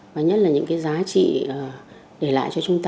và nhất là những cái giá trị để lại cho chúng ta